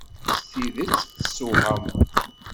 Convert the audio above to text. S tidet tessewhameḍ.